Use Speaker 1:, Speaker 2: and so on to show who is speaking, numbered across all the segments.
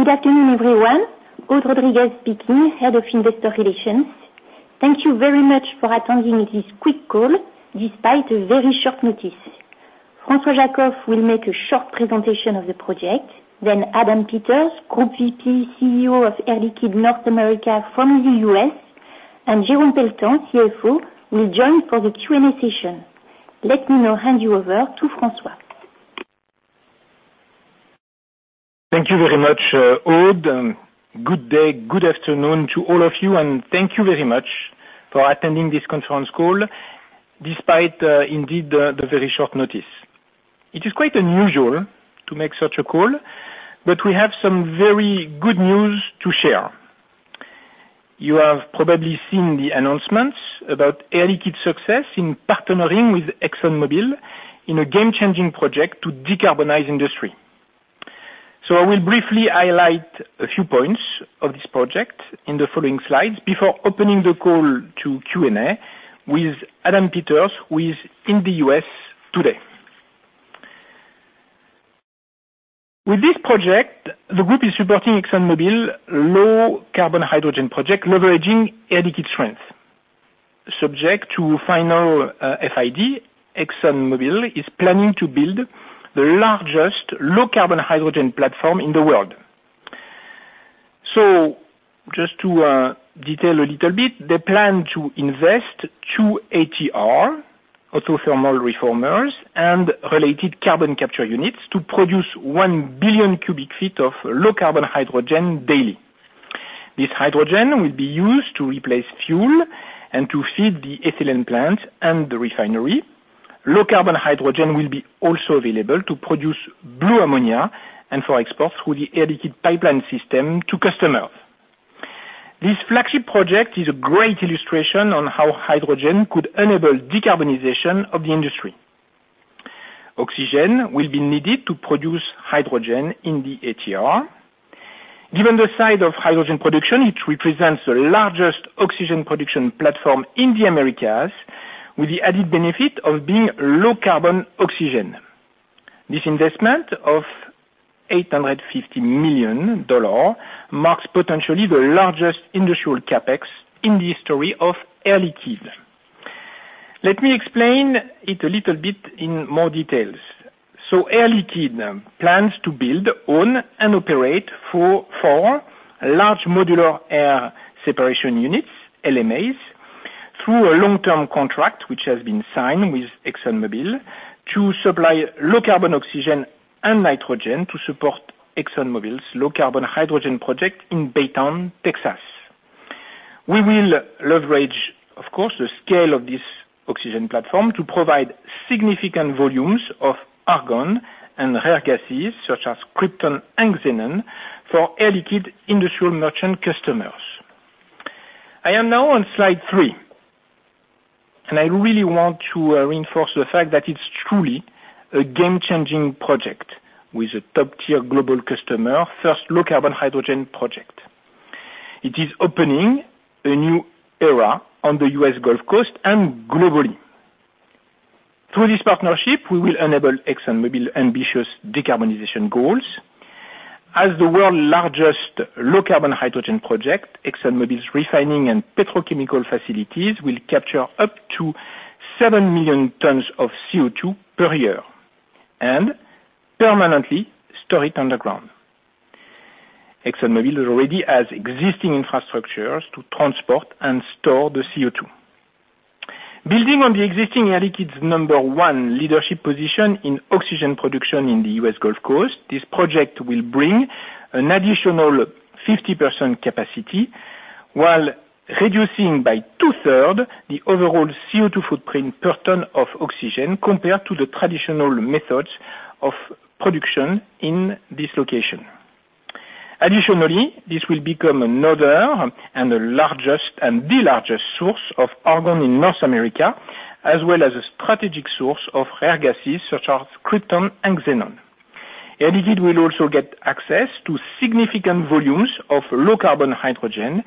Speaker 1: Good afternoon, everyone. Aude Rodriguez speaking, Head of Investor Relations. Thank you very much for attending this quick call, despite a very short notice. François Jackow will make a short presentation of the project, then Adam Peters, Group VP, CEO of Air Liquide North America from the U.S., and Jérôme Pelletan, CFO, will join for the Q&A session. Let me now hand you over to François.
Speaker 2: Thank you very much, Aude, and good day, good afternoon to all of you, and thank you very much for attending this conference call, despite, indeed, the very short notice. It is quite unusual to make such a call, but we have some very good news to share. You have probably seen the announcements about Air Liquide's success in partnering with ExxonMobil in a game-changing project to decarbonize industry. So I will briefly highlight a few points of this project in the following slides before opening the call to Q&A with Adam Peters, who is in the U.S. today. With this project, the group is supporting ExxonMobil low-carbon hydrogen project, leveraging Air Liquide strength. Subject to final FID, ExxonMobil is planning to build the largest low-carbon hydrogen platform in the world. So just to detail a little bit, they plan to invest two ATR, autothermal reformers, and related carbon capture units to produce 1 billion cubic feet of low-carbon hydrogen daily. This hydrogen will be used to replace fuel and to feed the ethylene plant and the refinery. Low-carbon hydrogen will be also available to produce blue ammonia and for export through the Air Liquide pipeline system to customers. This flagship project is a great illustration on how hydrogen could enable decarbonization of the industry. Oxygen will be needed to produce hydrogen in the ATR. Given the size of hydrogen production, it represents the largest oxygen production platform in the Americas, with the added benefit of being low-carbon oxygen. This investment of $850 million marks potentially the largest industrial CapEx in the history of Air Liquide. Let me explain it a little bit in more details. So Air Liquide plans to build, own, and operate 4, 4 large modular air separation units, LMAs, through a long-term contract, which has been signed with ExxonMobil, to supply low-carbon oxygen and nitrogen to support ExxonMobil's low-carbon hydrogen project in Baytown, Texas. We will leverage, of course, the scale of this oxygen platform to provide significant volumes of argon and rare gases, such as krypton and xenon, for Air Liquide industrial merchant customers. I am now on slide three, and I really want to reinforce the fact that it's truly a game-changing project with a top-tier global customer, first low-carbon hydrogen project. It is opening a new era on the U.S. Gulf Coast and globally. Through this partnership, we will enable ExxonMobil ambitious decarbonization goals. As the world's largest low-carbon hydrogen project, ExxonMobil's refining and petrochemical facilities will capture up to 7 million tons of CO2 per year and permanently store it underground. ExxonMobil already has existing infrastructures to transport and store the CO2. Building on the existing Air Liquide's number one leadership position in oxygen production in the U.S. Gulf Coast, this project will bring an additional 50% capacity, while reducing by two-thirds the overall CO2 footprint per ton of oxygen, compared to the traditional methods of production in this location. Additionally, this will become another and the largest, and the largest source of argon in North America, as well as a strategic source of rare gases such as krypton and xenon. Air Liquide will also get access to significant volumes of low-carbon hydrogen,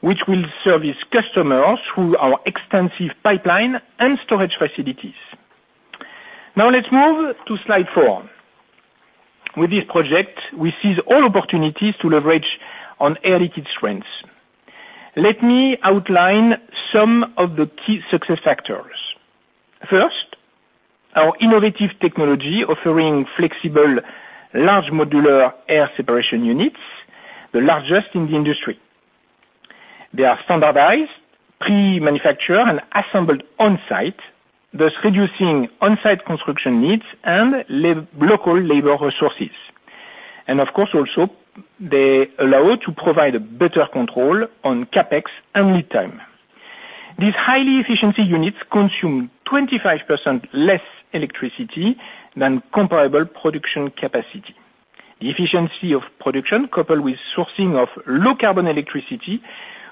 Speaker 2: which will serve its customers through our extensive pipeline and storage facilities. Now let's move to slide four. With this project, we seize all opportunities to leverage on Air Liquide's strengths. Let me outline some of the key success factors. First, our innovative technology offering flexible, large modular air separation units, the largest in the industry. They are standardized, pre-manufactured, and assembled on-site, thus reducing on-site construction needs and local labor resources. And of course, also, they allow to provide a better control on CapEx and lead time. These highly efficient units consume 25% less electricity than comparable production capacity. The efficiency of production, coupled with sourcing of low-carbon electricity,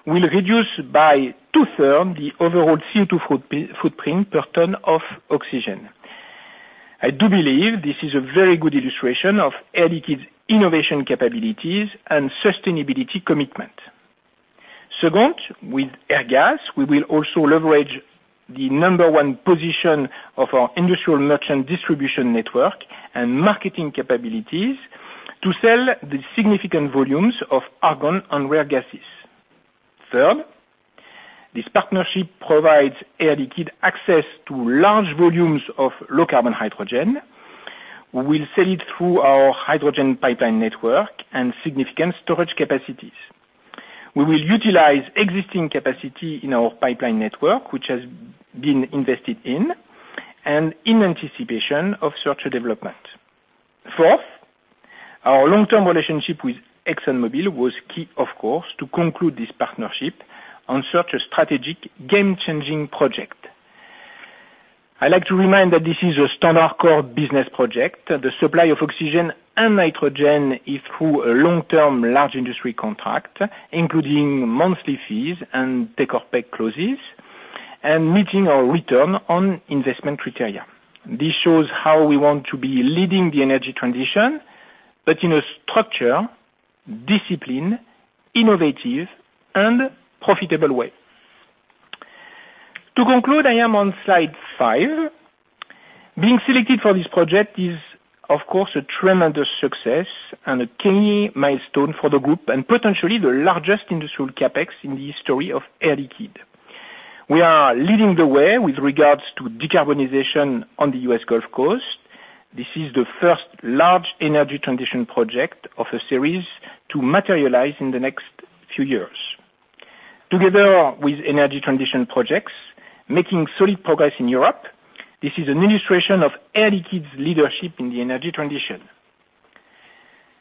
Speaker 2: will reduce by two-thirds the overall CO2 footprint per ton of oxygen. I do believe this is a very good illustration of Air Liquide's innovation capabilities and sustainability commitment... Second, with Airgas, we will also leverage the number one position of our industrial merchant distribution network and marketing capabilities to sell the significant volumes of argon and rare gases. Third, this partnership provides Air Liquide access to large volumes of low carbon hydrogen. We will sell it through our hydrogen pipeline network and significant storage capacities. We will utilize existing capacity in our pipeline network, which has been invested in and in anticipation of such a development. Fourth, our long-term relationship with ExxonMobil was key, of course, to conclude this partnership on such a strategic game-changing project. I'd like to remind that this is a standard core business project. The supply of oxygen and nitrogen is through a long-term large industry contract, including monthly fees and take-or-pay clauses and meeting our return on investment criteria. This shows how we want to be leading the energy transition, but in a structured, disciplined, innovative and profitable way. To conclude, I am on slide five. Being selected for this project is, of course, a tremendous success and a key milestone for the group and potentially the largest industrial CapEx in the history of Air Liquide. We are leading the way with regards to decarbonization on the U.S. Gulf Coast. This is the first large energy transition project of a series to materialize in the next few years. Together with energy transition projects, making solid progress in Europe, this is an illustration of Air Liquide's leadership in the energy transition.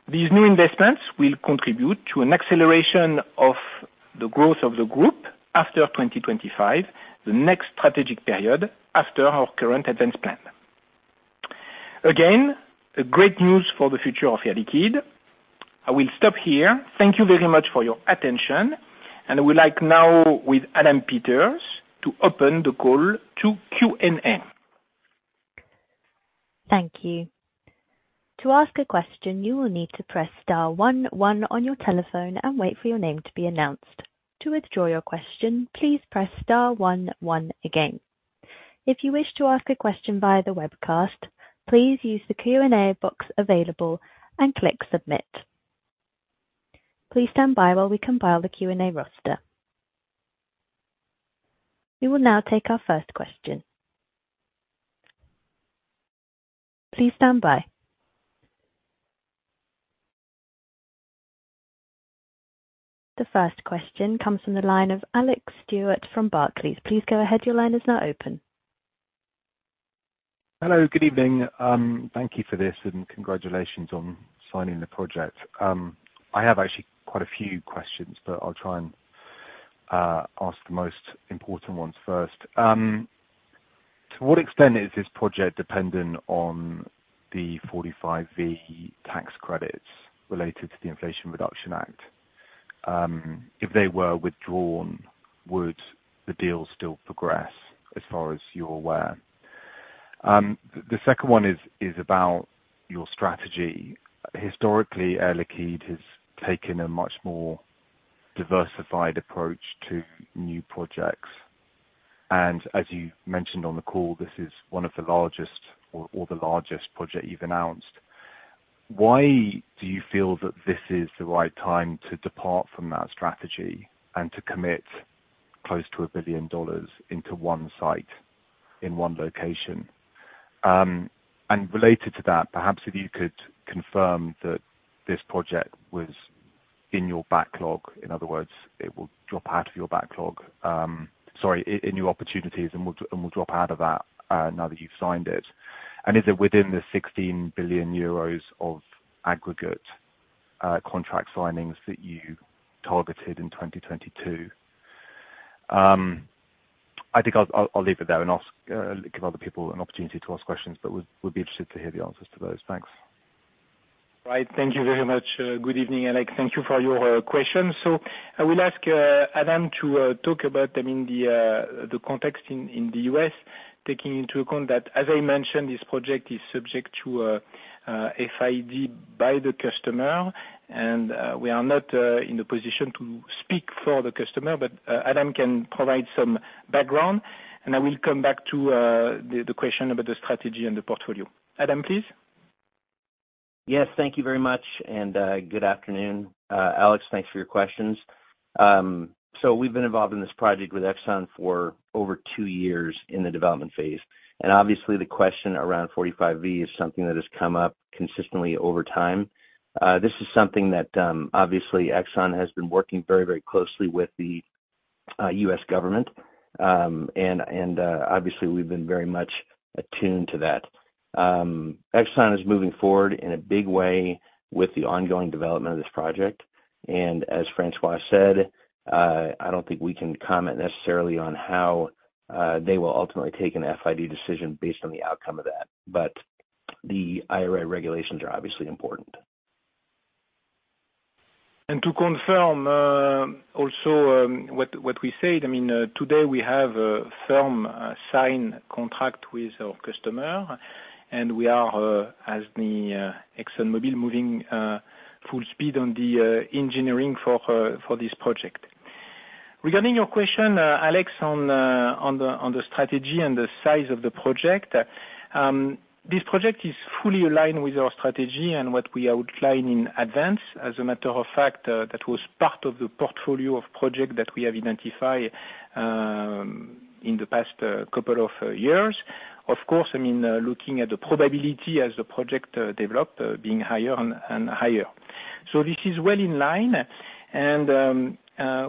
Speaker 2: These new investments will contribute to an acceleration of the growth of the group after 2025, the next strategic period after our current ADVANCE plan. Again, a great news for the future of Air Liquide. I will stop here. Thank you very much for your attention, and I would like now with Adam Peters to open the call to Q&A.
Speaker 3: Thank you. To ask a question, you will need to press star one one on your telephone and wait for your name to be announced. To withdraw your question, please press star one one again. If you wish to ask a question via the webcast, please use the Q&A box available and click Submit. Please stand by while we compile the Q&A roster. We will now take our first question. Please stand by. The first question comes from the line of Alex Stewart from Barclays. Please go ahead. Your line is now open.
Speaker 4: Hello, good evening. Thank you for this, and congratulations on signing the project. I have actually quite a few questions, but I'll try and ask the most important ones first. To what extent is this project dependent on the 45V tax credits related to the Inflation Reduction Act? If they were withdrawn, would the deal still progress, as far as you're aware? The second one is about your strategy. Historically, Air Liquide has taken a much more diversified approach to new projects, and as you mentioned on the call, this is one of the largest or the largest project you've announced. Why do you feel that this is the right time to depart from that strategy and to commit close to $1 billion into one site in one location? And related to that, perhaps if you could confirm that this project was in your backlog. In other words, it will drop out of your backlog in new opportunities and will drop out of that now that you've signed it. And is it within the 16 billion euros of aggregate contract signings that you targeted in 2022? I think I'll leave it there and give other people an opportunity to ask questions, but would be interested to hear the answers to those. Thanks.
Speaker 2: Right. Thank you very much. Good evening, Alex. Thank you for your questions. So I will ask Adam to talk about, I mean, the context in the U.S., taking into account that, as I mentioned, this project is subject to a FID by the customer, and we are not in the position to speak for the customer, but Adam can provide some background, and I will come back to the question about the strategy and the portfolio. Adam, please.
Speaker 5: Yes, thank you very much, and good afternoon. Alex, thanks for your questions. So we've been involved in this project with Exxon for over two years in the development phase, and obviously the question around 45V is something that has come up consistently over time. This is something that obviously Exxon has been working very, very closely with the U.S. government. Obviously we've been very much attuned to that. Exxon is moving forward in a big way with the ongoing development of this project, and as François said, I don't think we can comment necessarily on how they will ultimately take an FID decision based on the outcome of that. But the IRA regulations are obviously important.
Speaker 2: And to confirm, also, what we said, I mean, today, we have a firm sign contract with our customer, and we are, as ExxonMobil moving full speed on the engineering for this project. Regarding your question, Alex, on the strategy and the size of the project, this project is fully aligned with our strategy and what we outline in ADVANCE. As a matter of fact, that was part of the portfolio of project that we have identified, in the past couple of years. Of course, I mean, looking at the probability as the project developed, being higher and higher. So this is well in line, and,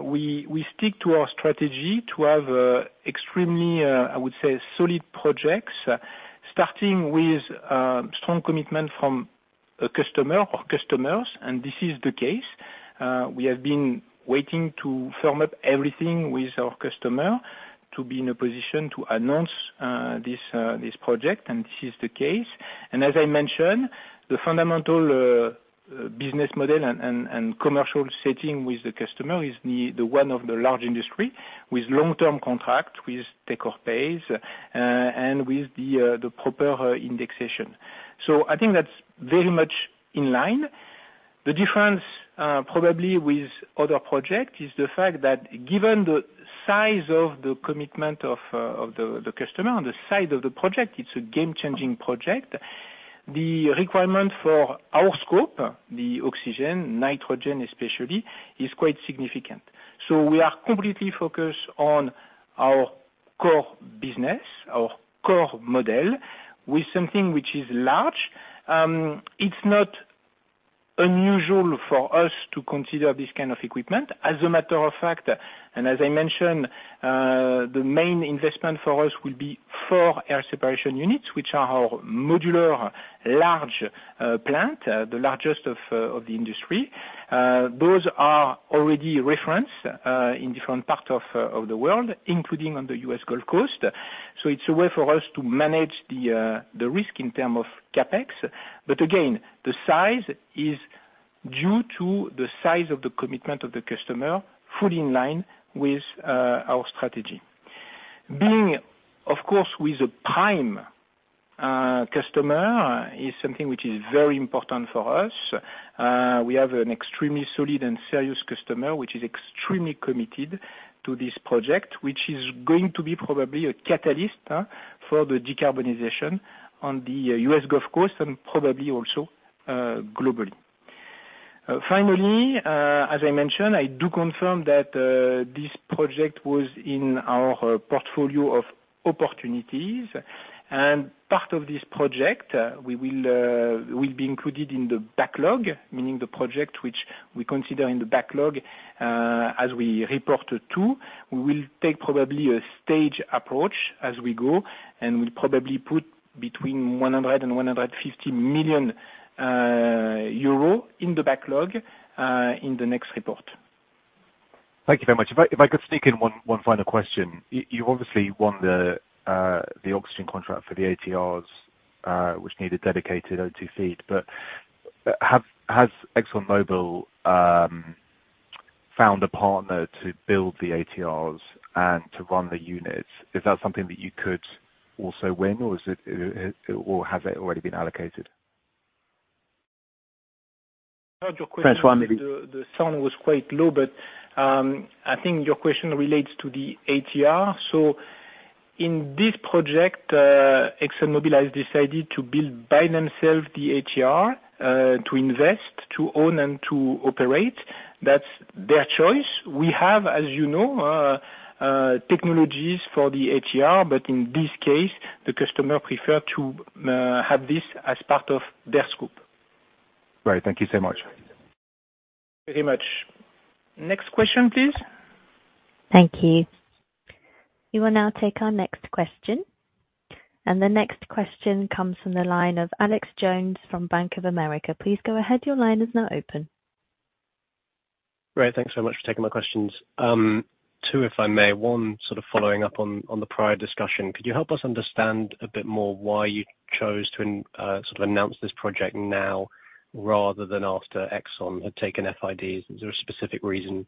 Speaker 2: we stick to our strategy to have, extremely, I would say, solid projects, starting with, strong commitment from a customer or customers, and this is the case. We have been waiting to firm up everything with our customer, to be in a position to announce, this, this project, and this is the case. And as I mentioned, the fundamental business model and commercial setting with the customer is the one of the large industry, with long-term contract, with take-or-pays, and with the proper indexation. So I think that's very much in line. The difference, probably with other project, is the fact that given the size of the commitment of, of the customer on the side of the project, it's a game-changing project. The requirement for our scope, the oxygen, nitrogen especially, is quite significant. So we are completely focused on our core business, our core model, with something which is large. It's not unusual for us to consider this kind of equipment. As a matter of fact, and as I mentioned, the main investment for us will be four air separation units, which are our modular, large, plant, the largest of the industry. Those are already referenced, in different parts of the world, including on the U.S. Gulf Coast. So it's a way for us to manage the risk in term of CapEx. But again, the size is due to the size of the commitment of the customer, fully in line with our strategy. Being, of course, with a prime customer is something which is very important for us. We have an extremely solid and serious customer, which is extremely committed to this project, which is going to be probably a catalyst for the decarbonization on the U.S. Gulf Coast and probably also globally. Finally, as I mentioned, I do confirm that this project was in our portfolio of opportunities, and part of this project we will be included in the backlog, meaning the project which we consider in the backlog as we report in Q2. We will take probably a stage approach as we go, and we'll probably put between 100 million euros and 150 million euro in the backlog in the next report.
Speaker 4: Thank you very much. If I could sneak in one final question. You obviously won the the oxygen contract for the ATRs, which needed dedicated O2 feed, but has ExxonMobil found a partner to build the ATRs and to run the units? Is that something that you could also win, or is it... Or has it already been allocated?
Speaker 2: François, maybe I heard your question. The sound was quite low, but I think your question relates to the ATR. So in this project, ExxonMobil has decided to build by themselves the ATR, to invest, to own, and to operate. That's their choice. We have, as you know, technologies for the ATR, but in this case, the customer prefer to have this as part of their scope.
Speaker 4: Right. Thank you so much.
Speaker 2: Very much. Next question, please?
Speaker 3: Thank you. We will now take our next question, and the next question comes from the line of Alex Jones from Bank of America. Please go ahead. Your line is now open.
Speaker 6: Great. Thanks so much for taking my questions. Two, if I may. One, sort of following up on, on the prior discussion, could you help us understand a bit more why you chose to, sort of announce this project now, rather than after Exxon had taken FIDs? Is there a specific reason,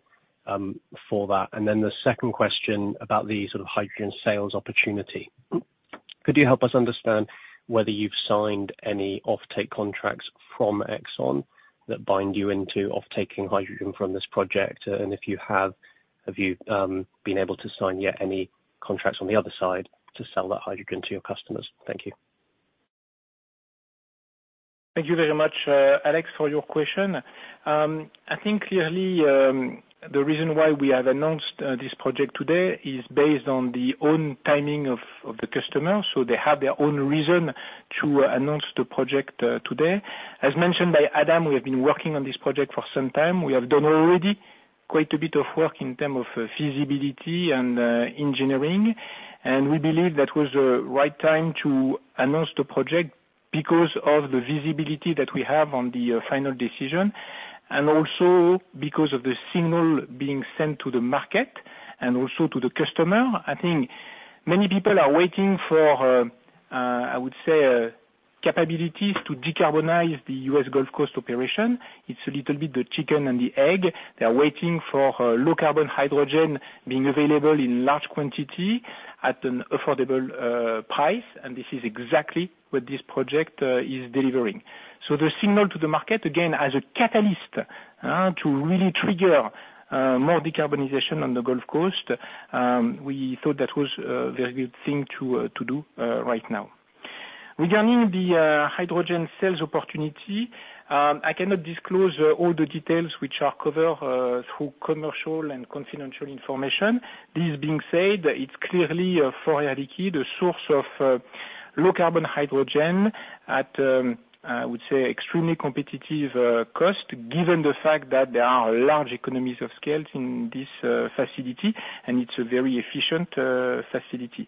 Speaker 6: for that? And then the second question about the sort of hydrogen sales opportunity. Could you help us understand whether you've signed any offtake contracts from Exxon that bind you into off-taking hydrogen from this project? And if you have, have you, been able to sign yet any contracts on the other side to sell that hydrogen to your customers? Thank you.
Speaker 2: Thank you very much, Alex, for your question. I think clearly, the reason why we have announced this project today is based on the own timing of the customer, so they have their own reason to announce the project today. As mentioned by Adam, we have been working on this project for some time. We have done already quite a bit of work in terms of feasibility and engineering, and we believe that was the right time to announce the project, because of the visibility that we have on the final decision, and also because of the signal being sent to the market and also to the customer. I think many people are waiting for, I would say, capabilities to decarbonize the U.S. Gulf Coast operation. It's a little bit the chicken and the egg. They are waiting for low-carbon hydrogen being available in large quantity at an affordable price, and this is exactly what this project is delivering. So the signal to the market, again, as a catalyst to really trigger more decarbonization on the Gulf Coast, we thought that was a very good thing to do right now. Regarding the hydrogen sales opportunity, I cannot disclose all the details which are covered through commercial and confidential information. This being said, it's clearly for Air Liquide, a source of low-carbon hydrogen at, I would say, extremely competitive cost, given the fact that there are large economies of scale in this facility, and it's a very efficient facility.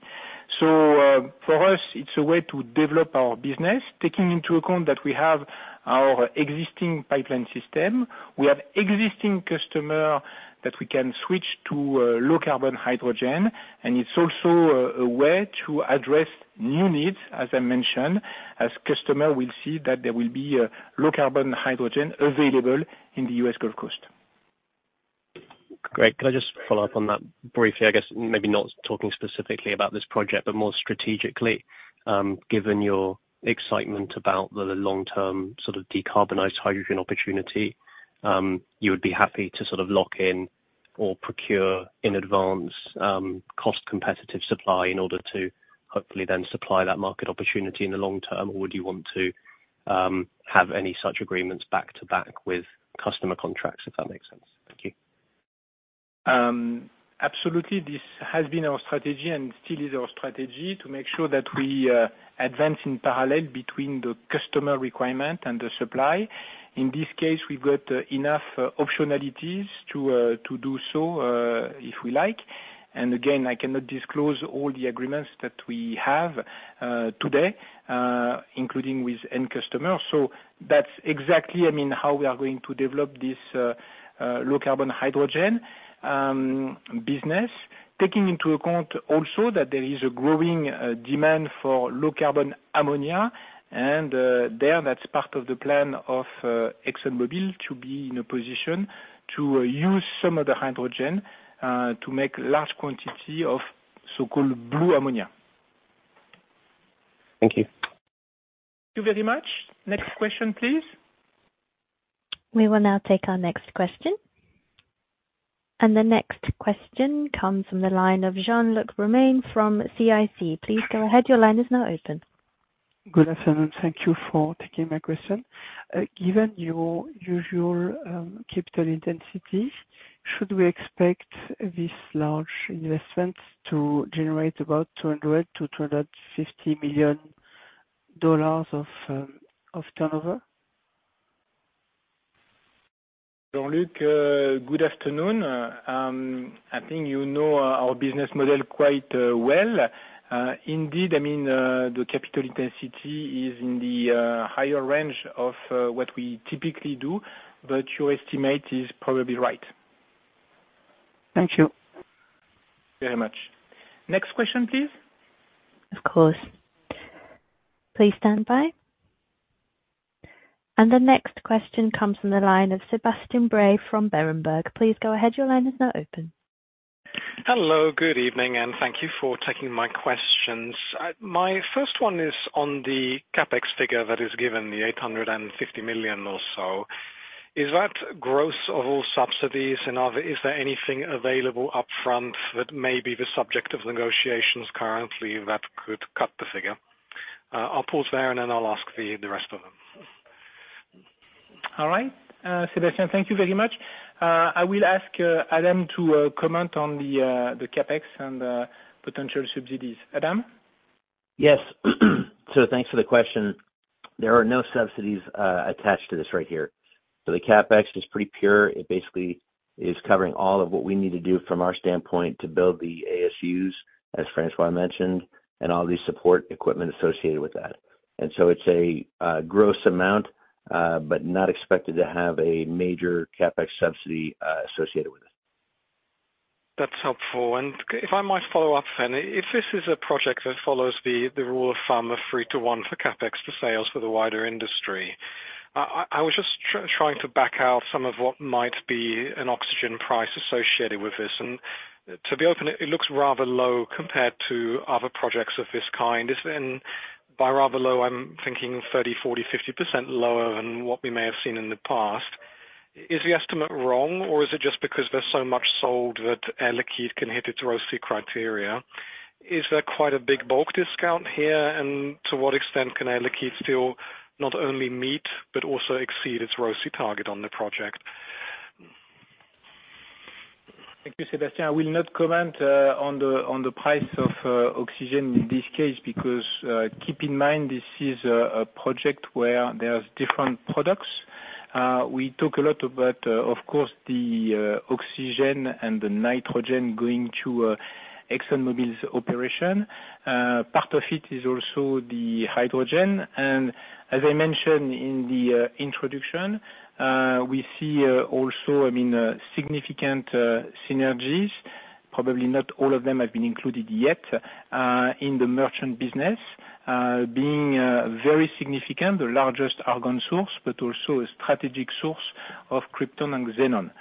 Speaker 2: So, for us, it's a way to develop our business. Taking into account that we have our existing pipeline system, we have existing customer that we can switch to low carbon hydrogen, and it's also a way to address new needs, as I mentioned, as customer will see that there will be a low carbon hydrogen available in the U.S. Gulf Coast.
Speaker 6: Great. Can I just follow up on that briefly? I guess maybe not talking specifically about this project, but more strategically, given your excitement about the long-term sort of decarbonized hydrogen opportunity, you would be happy to sort of lock in or procure in advance, cost competitive supply in order to hopefully then supply that market opportunity in the long term, or would you want to, have any such agreements back-to-back with customer contracts, if that makes sense? Thank you.
Speaker 2: Absolutely, this has been our strategy and still is our strategy, to make sure that we advance in parallel between the customer requirement and the supply. In this case, we've got enough optionalities to do so, if we like. And again, I cannot disclose all the agreements that we have today, including with end customers. So that's exactly, I mean, how we are going to develop this low-carbon hydrogen business. Taking into account also that there is a growing demand for low-carbon ammonia, and that's part of the plan of ExxonMobil to be in a position to use some of the hydrogen to make large quantity of so-called blue ammonia.
Speaker 6: Thank you.
Speaker 2: Thank you very much. Next question, please.
Speaker 3: We will now take our next question. The next question comes from the line of Jean-Luc Romain from CIC. Please go ahead. Your line is now open.
Speaker 7: Good afternoon. Thank you for taking my question. Given your usual capital intensity, should we expect this large investment to generate about $200 million-$250 million of turnover?
Speaker 2: Jean-Luc, good afternoon. I think you know our business model quite well. Indeed, I mean, the capital intensity is in the higher range of what we typically do, but your estimate is probably right.
Speaker 7: Thank you.
Speaker 2: Very much. Next question, please.
Speaker 3: Of course. Please stand by. The next question comes from the line of Sebastian Bray from Berenberg. Please go ahead, your line is now open.
Speaker 8: Hello, good evening, and thank you for taking my questions. My first one is on the CapEx figure that is given, the $850 million or so. Is that gross of all subsidies, and is there anything available upfront that may be the subject of negotiations currently that could cut the figure? I'll pause there, and then I'll ask the rest of them.
Speaker 2: All right, Sebastian, thank you very much. I will ask Adam to comment on the the CapEx and potential subsidies. Adam?
Speaker 5: Yes. So thanks for the question. There are no subsidies attached to this right here. So the CapEx is pretty pure. It basically is covering all of what we need to do from our standpoint to build the ASUs, as François mentioned, and all the support equipment associated with that. And so it's a gross amount, but not expected to have a major CapEx subsidy associated with it.
Speaker 8: That's helpful. If I might follow up, then. If this is a project that follows the rule of thumb of 3-to-1 for CapEx to sales for the wider industry, I was just trying to back out some of what might be an oxygen price associated with this. And to be open, it looks rather low compared to other projects of this kind. And by rather low, I'm thinking 30, 40, 50% lower than what we may have seen in the past. Is the estimate wrong, or is it just because there's so much sold that Air Liquide can hit its ROCE criteria? Is there quite a big bulk discount here, and to what extent can Air Liquide still not only meet but also exceed its ROCE target on the project?
Speaker 2: Thank you, Sebastian. I will not comment on the price of oxygen in this case, because keep in mind, this is a project where there's different products. We talk a lot about, of course, the oxygen and the nitrogen going to ExxonMobil's operation. Part of it is also the hydrogen, and as I mentioned in the introduction, we see also, I mean, significant synergies. Probably not all of them have been included yet in the merchant business, being very significant, the largest argon source, but also a strategic source of krypton and xenon.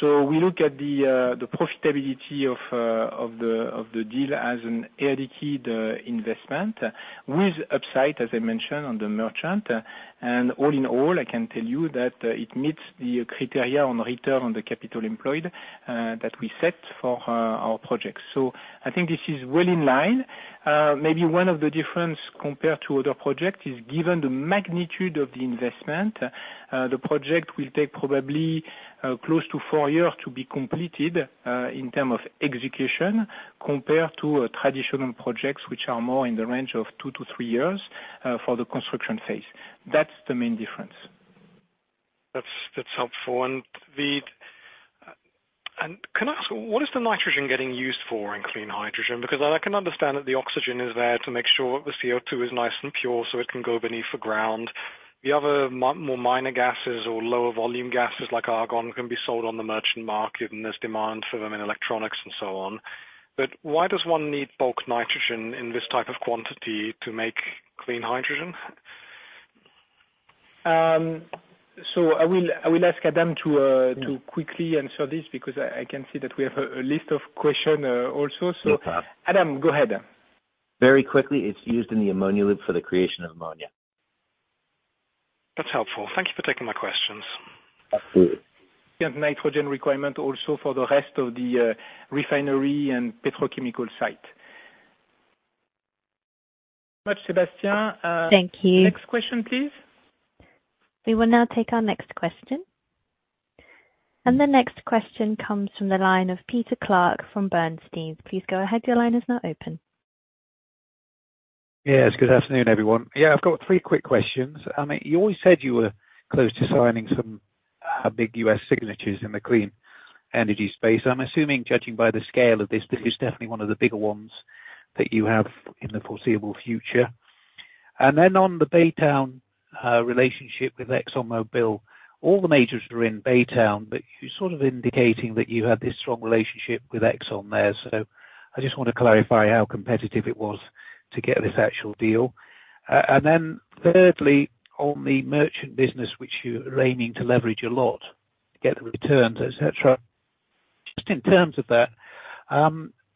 Speaker 2: So we look at the profitability of the deal as an Air Liquide investment with upside, as I mentioned, on the merchant. And all in all, I can tell you that, it meets the criteria on return on the capital employed, that we set for, our projects. So I think this is well in line. Maybe one of the difference compared to other project, is given the magnitude of the investment, the project will take probably, close to four years to be completed, in term of execution, compared to traditional projects, which are more in the range of two to three years, for the construction phase. That's the main difference.
Speaker 8: That's, that's helpful. And V, and can I ask, what is the nitrogen getting used for in clean hydrogen? Because I can understand that the oxygen is there to make sure the CO2 is nice and pure, so it can go beneath the ground. The other more minor gases or lower volume gases, like argon, can be sold on the merchant market, and there's demand for them in electronics and so on. But why does one need bulk nitrogen in this type of quantity to make clean hydrogen?
Speaker 2: So I will, I will ask Adam to
Speaker 8: Yeah...
Speaker 2: to quickly answer this, because I can see that we have a list of questions also.
Speaker 8: Okay.
Speaker 2: Adam, go ahead.
Speaker 5: Very quickly, it's used in the ammonia loop for the creation of ammonia.
Speaker 8: That's helpful. Thank you for taking my questions.
Speaker 5: Absolutely.
Speaker 2: We have nitrogen requirement also for the rest of the refinery and petrochemical site. Much, Sebastian,
Speaker 3: Thank you.
Speaker 2: Next question, please.
Speaker 3: We will now take our next question. The next question comes from the line of Peter Clark from Bernstein. Please go ahead. Your line is now open.
Speaker 9: Yes, good afternoon, everyone. Yeah, I've got three quick questions. I mean, you always said you were close to signing some big U.S. signings in the clean energy space. I'm assuming, judging by the scale of this, this is definitely one of the bigger ones that you have in the foreseeable future. And then on the Baytown relationship with ExxonMobil, all the majors are in Baytown, but you're sort of indicating that you have this strong relationship with Exxon there. So I just want to clarify how competitive it was to get this actual deal. And then thirdly, on the merchant business, which you're aiming to leverage a lot to get the returns, et cetera. Just in terms of that,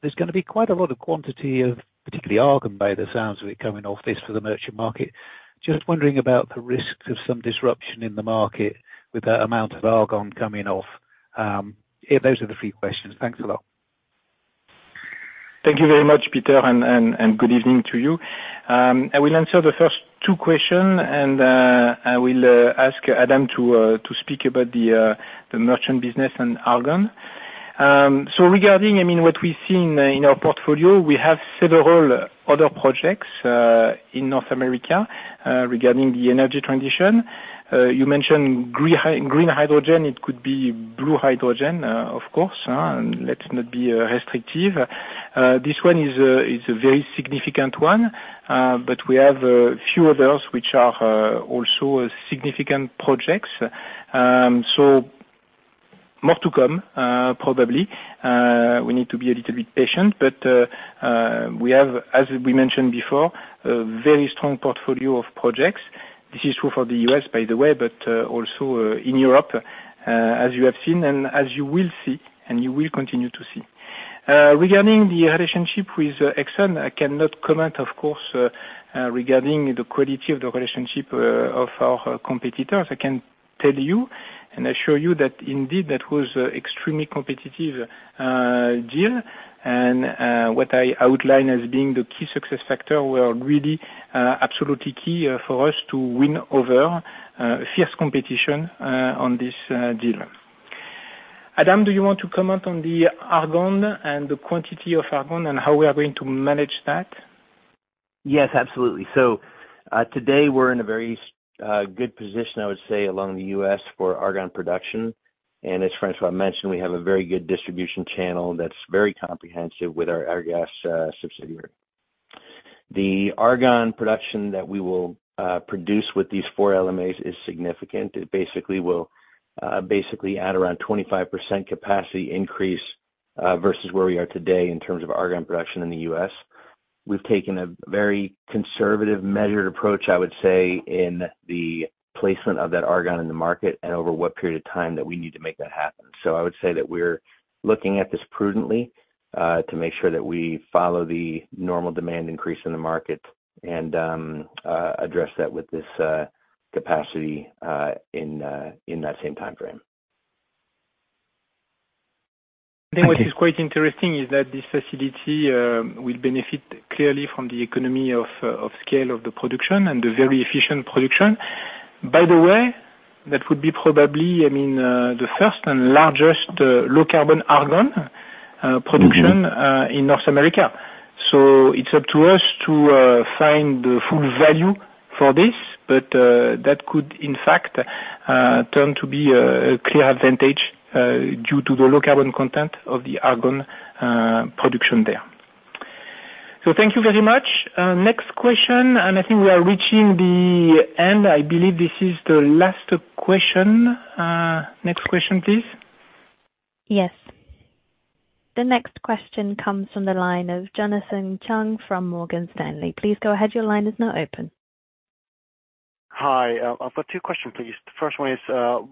Speaker 9: there's gonna be quite a lot of quantity of particularly argon, by the sounds of it, coming off this for the merchant market. Just wondering about the risks of some disruption in the market with that amount of argon coming off. Yeah, those are the three questions. Thanks a lot.
Speaker 2: Thank you very much, Peter, and good evening to you. I will answer the first two questions, and I will ask Adam to speak about the merchant business and argon. So regarding, I mean, what we've seen in our portfolio, we have several other projects in North America regarding the energy transition. You mentioned green hydrogen, it could be blue hydrogen, of course, and let's not be restrictive. This one is a very significant one, but we have a few others which are also significant projects. So more to come, probably. We need to be a little bit patient, but we have, as we mentioned before, a very strong portfolio of projects. This is true for the U.S., by the way, but also in Europe, as you have seen and as you will see, and you will continue to see. Regarding the relationship with Exxon, I cannot comment, of course, regarding the quality of the relationship of our competitors. I can tell you, and assure you, that indeed, that was extremely competitive deal. What I outline as being the key success factor were really absolutely key for us to win over fierce competition on this deal. Adam, do you want to comment on the argon and the quantity of argon, and how we are going to manage that?
Speaker 5: Yes, absolutely. So, today we're in a very good position, I would say, in the U.S. for argon production. And as François mentioned, we have a very good distribution channel that's very comprehensive with our Airgas subsidiary. The argon production that we will produce with these four LMAs is significant. It basically will basically add around 25% capacity increase versus where we are today in terms of argon production in the U.S. We've taken a very conservative, measured approach, I would say, in the placement of that argon in the market, and over what period of time that we need to make that happen. So I would say that we're looking at this prudently, to make sure that we follow the normal demand increase in the market and address that with this capacity in that same time frame.
Speaker 2: What is quite interesting is that this facility will benefit clearly from the economy of scale of the production and the very efficient production. By the way, that would be probably, I mean, the first and largest low carbon argon production-
Speaker 5: Mm-hmm...
Speaker 2: in North America. So it's up to us to find the full value for this, but that could in fact turn to be a clear advantage due to the low-carbon content of the argon production there.... So thank you very much. Next question, and I think we are reaching the end. I believe this is the last question. Next question, please?
Speaker 3: Yes. The next question comes from the line of Jonathan Chung from Morgan Stanley. Please go ahead. Your line is now open.
Speaker 10: Hi, I've got two question, please. The first one is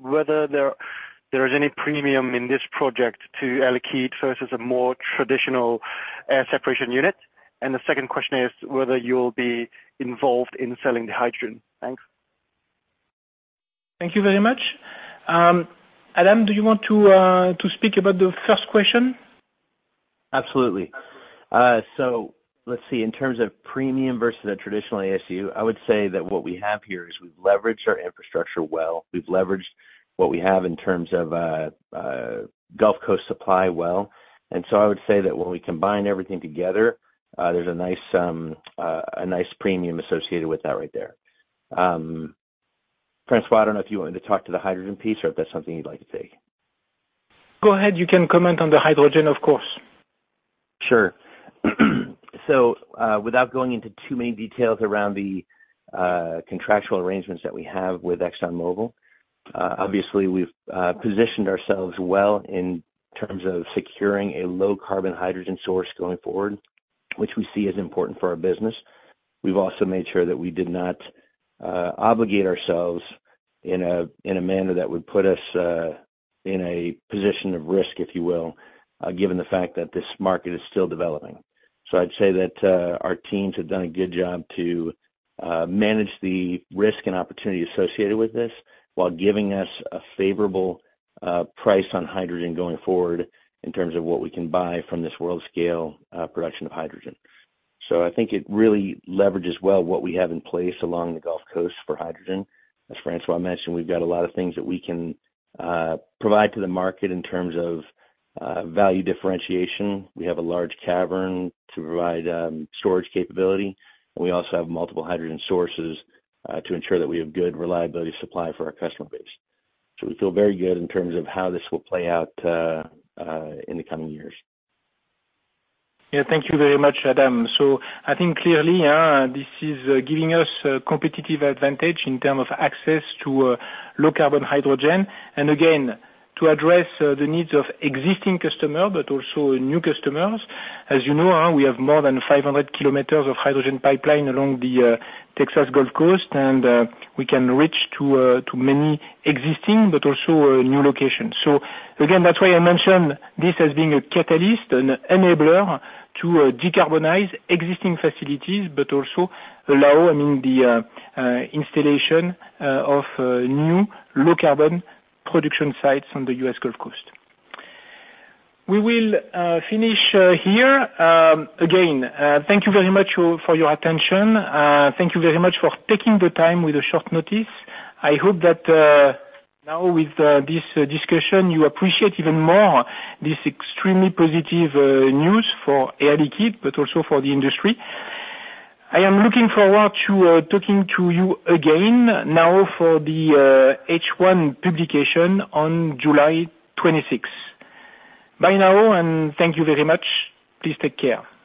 Speaker 10: whether there is any premium in this project to Air Liquide versus a more traditional air separation unit? The second question is whether you'll be involved in selling the hydrogen. Thanks.
Speaker 2: Thank you very much. Adam, do you want to, to speak about the first question?
Speaker 5: Absolutely. So let's see, in terms of premium versus a traditional ASU, I would say that what we have here is we've leveraged our infrastructure well. We've leveraged what we have in terms of, Gulf Coast supply well. And so I would say that when we combine everything together, there's a nice, a nice premium associated with that right there. François, I don't know if you want me to talk to the hydrogen piece or if that's something you'd like to say.
Speaker 2: Go ahead. You can comment on the hydrogen, of course.
Speaker 5: Sure. So, without going into too many details around the contractual arrangements that we have with ExxonMobil, obviously, we've positioned ourselves well in terms of securing a low carbon hydrogen source going forward, which we see as important for our business. We've also made sure that we did not obligate ourselves in a manner that would put us in a position of risk, if you will, given the fact that this market is still developing. So I'd say that our teams have done a good job to manage the risk and opportunity associated with this, while giving us a favorable price on hydrogen going forward, in terms of what we can buy from this world scale production of hydrogen. So I think it really leverages well what we have in place along the Gulf Coast for hydrogen. As François mentioned, we've got a lot of things that we can provide to the market in terms of value differentiation. We have a large cavern to provide storage capability, and we also have multiple hydrogen sources to ensure that we have good reliability of supply for our customer base. So we feel very good in terms of how this will play out in the coming years.
Speaker 2: Yeah. Thank you very much, Adam. So I think clearly, this is giving us a competitive advantage in terms of access to low-carbon hydrogen. And again, to address the needs of existing customer, but also new customers. As you know, we have more than 500 km of hydrogen pipeline along the Texas Gulf Coast, and we can reach to many existing but also new locations. So again, that's why I mentioned this as being a catalyst and enabler to decarbonize existing facilities, but also allow, I mean, the installation of new low-carbon production sites on the U.S. Gulf Coast. We will finish here. Again, thank you very much for your attention. Thank you very much for taking the time with a short notice. I hope that now with this discussion, you appreciate even more this extremely positive news for Air Liquide, but also for the industry. I am looking forward to talking to you again, now for the H1 publication on July 26th. Bye now, and thank you very much. Please take care.